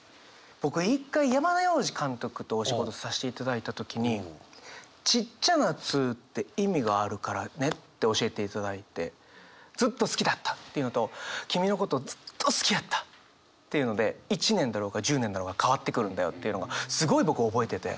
僕一回山田洋次監督とお仕事させていただいた時にちっちゃな「っ」って意味があるからねって教えていただいて「ずっと好きだった」って言うのと「君のことずっと好きやった」って言うので１年だろうが１０年だろうが変わってくるんだよというのがすごい僕覚えてて。